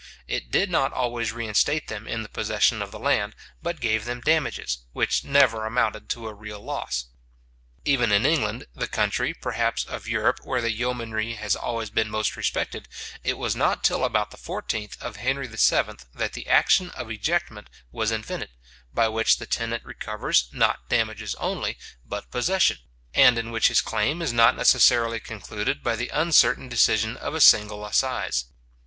It did not always reinstate them in the possession of the land, but gave them damages, which never amounted to a real loss. Even in England, the country, perhaps of Europe, where the yeomanry has always been most respected, it was not till about the 14th of Henry VII. that the action of ejectment was invented, by which the tenant recovers, not damages only, but possession, and in which his claim is not necessarily concluded by the uncertain decision of a single assize.